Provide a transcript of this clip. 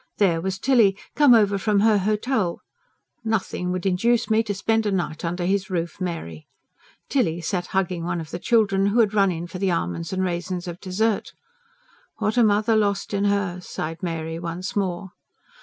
There was Tilly, come over from her hotel ("Nothing would induce me to spend a night under his roof, Mary") Tilly sat hugging one of the children, who had run in for the almonds and raisins of dessert. "What a mother lost in her!" sighed Mary once more.